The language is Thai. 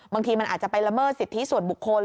บางทีมันอาจจะไปละเมิดสิทธิส่วนบุคคล